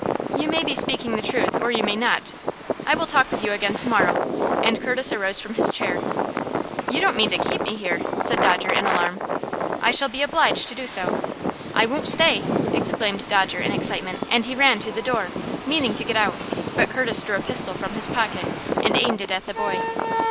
"You may be speaking the truth, or you may not. I will talk with you again to morrow," and Curtis arose from his chair. "You don't mean to keep me here?" said Dodger, in alarm. "I shall be obliged to do so." "I won't stay!" exclaimed Dodger, in excitement, and he ran to the door, meaning to get out; but Curtis drew a pistol from his pocket and aimed it at the boy.